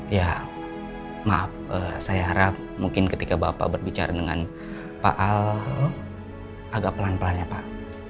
ya maaf saya harap mungkin ketika bapak berbicara dengan pak al agak pelan pelan ya pak